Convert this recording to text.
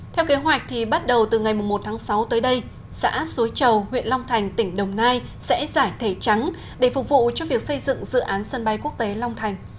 theo kế hoạch thì bắt đầu từ ngày một tháng sáu tới đây xã suối chầu huyện long thành tỉnh đồng nai sẽ giải thể trắng để phục vụ cho việc xây dựng dự án sân bay quốc tế long thành